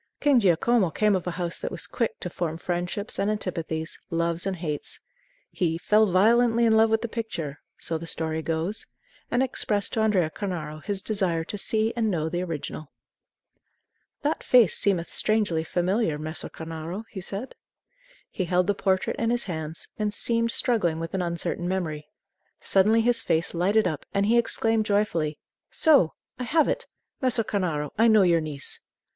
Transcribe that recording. King Giacomo came of a house that was quick to form friendships and antipathies, loves and hates. He "fell violently in love with the picture," so the story goes, and expressed to Andrea Cornaro his desire to see and know the original. "That face seemeth strangely familiar, Messer Cornaro," he said. He held the portrait in his hands, and seemed struggling with an uncertain memory. Suddenly his face lighted up, and he exclaimed joyfully: "So; I have it! Messer Cornaro, I know your niece."